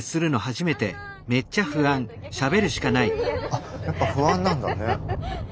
あやっぱ不安なんだね。